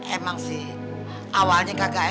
emang sih awalnya kakaknya ya